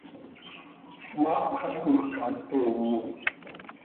Smaapxalcoj ca teeyo.